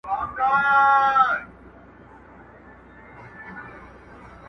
چي د کابل ګرېوان ته اور توی که.!